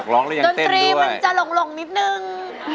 ดนตรีมันจะหล่งนิดนึง